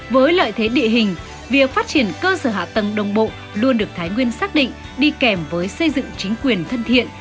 với lợi thế địa hình việc phát triển cơ sở hạ tầng đồng bộ luôn được thái nguyên xác định đi kèm với xây dựng chính quyền thân thiện